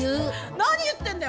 何言ってんだよ